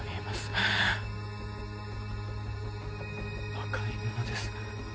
赤い布です。